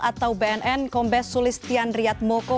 atau bnn kombes sulis tian riat moko